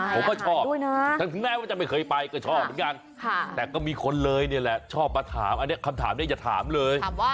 ผมก็ชอบถึงแม้ว่าจะไม่เคยไปก็ชอบเหมือนกันแต่ก็มีคนเลยนี่แหละชอบมาถามอันนี้คำถามนี้อย่าถามเลย